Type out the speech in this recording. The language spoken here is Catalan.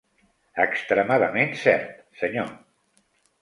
Extremadament cert, senyor.